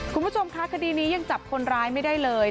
คุณผู้ชมคะคดีนี้ยังจับคนร้ายไม่ได้เลย